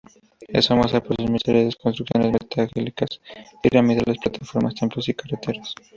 Es famosa por sus misteriosas construcciones megalíticas: pirámides, plataformas, templos y carreteras.